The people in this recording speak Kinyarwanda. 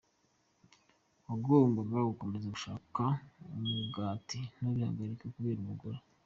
Wagombaga gukomeza gushaka umugati ntubihagarike kubera umugore.